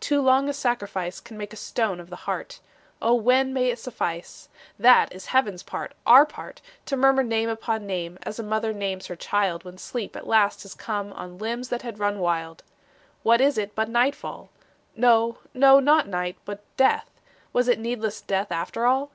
Too long a sacrifice Can make a stone of the heart. O when may it suffice? That is heaven's part, our part To murmur name upon name, As a mother names her child When sleep at last has come On limbs that had run wild. What is it but nightfall? No, no, not night but death; Was it needless death after all?